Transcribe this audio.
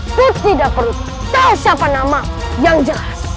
kutidak perlu tahu siapa nama yang jelas